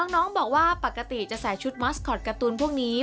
น้องบอกว่าปกติจะใส่ชุดมอสคอตการ์ตูนพวกนี้